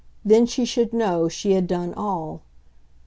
Then she should know she had done all.